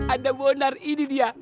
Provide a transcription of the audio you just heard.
anak bonar ini dia